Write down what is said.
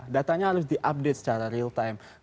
datanya harus diupdate secara real time